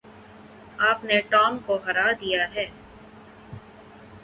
آپ نے ٹام کو ہرا دیا ہے۔